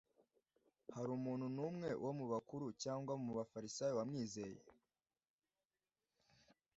Hari umuntu n'umwe wo mu bakuru cyangwa mu bafarisayo wamwizeye ?